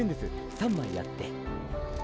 ３枚あって。